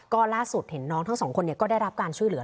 ก็ล่าสุดเห็นน้องทั้งสองคนก็ได้รับการช่วยเหลือ